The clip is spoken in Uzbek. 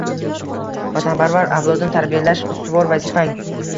Vatanparvar avlodni tarbiyalash – ustuvor vazifang